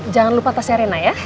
jangan lupa pasirin aja ya